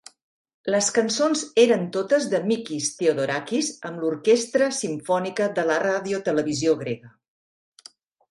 Les cançons eren totes de Mikis Theodorakis amb l'orquestra simfònica de la radiotelevisió grega.